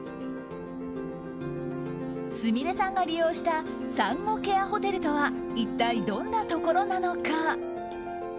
すみれさんが利用した産後ケアホテルとは一体どんなところなのか。